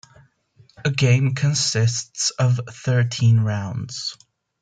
A game consists of thirteen rounds.